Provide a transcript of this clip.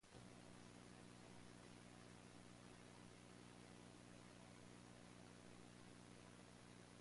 Councils in the past have held seats on other municipal committees.